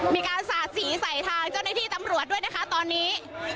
มีการสาดสีใส่ทางเจ้าหน้าที่ตำรวจด้วยนะคะตอนนี้